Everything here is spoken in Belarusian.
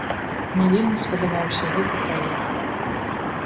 Мне вельмі спадабаўся гэты праект.